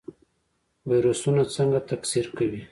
ویروسونه څنګه تکثیر کوي؟